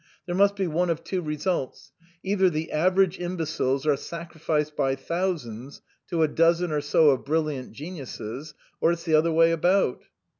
There must be one of two results either the average imbeciles are sacrificed by thousands to a dozen or so of brilliant geniuses, or it's the other way about."